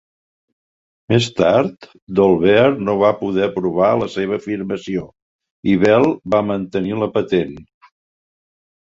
Més tard, Dolbear no va poder provar la seva afirmació, i Bell va mantenir la patent.